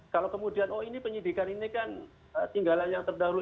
kalau kemudian oh ini penyidikan ini kan tinggalan yang terdahulu